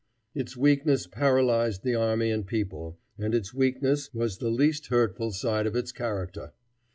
Its weakness paralyzed the army and people, and its weakness was the less hurtful side of its character.